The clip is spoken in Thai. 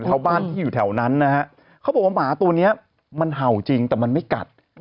ชาวบ้านที่อยู่แถวนั้นนะฮะเขาบอกว่าหมาตัวนี้มันเห่าจริงแต่มันไม่กัด